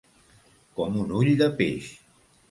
Com un ull de peix.